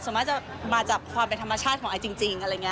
ส่วนมากจะมาจากความเป็นธรรมชาติของไอจริงอะไรอย่างนี้